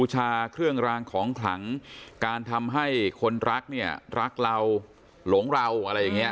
ถ้าเรามังงายเกินมากไปอย่างนี้